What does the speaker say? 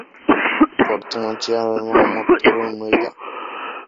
বর্তমান চেয়ারম্যান- মো: তরুন মৃধা